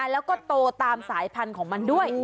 แล้วก็โตตามสายพันธุ์ของมันด้วย